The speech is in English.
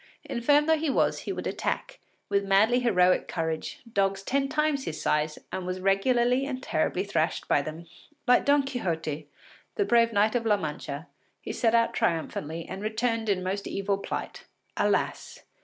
Infirm though he was, he would attack, with madly heroic courage, dogs ten times his size and was regularly and terribly thrashed by them. Like Don Quixote, the brave Knight of La Mancha, he set out triumphantly and returned in most evil plight. Alas!